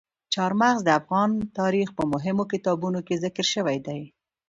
چار مغز د افغان تاریخ په مهمو کتابونو کې ذکر شوي دي.